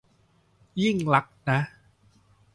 ยิ่งลักษณ์นะ